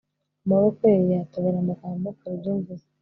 amaboko ye yatobora amagambo, kora ibyo mvuze